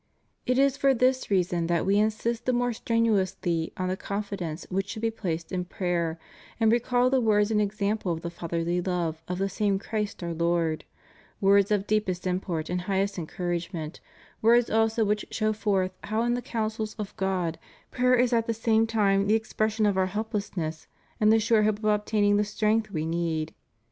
It is for this reason that We insist the more strenuously on the confidence which should be placed in praj^er, and recall the words and ex ample of the Fatherly love of the same Christ our Lord; words of deepest import and highest encouragement; words also which show forth how in the counsels of God prayer is at the same time the expression of our help lessness and the sure hope of obtaining the strength we need.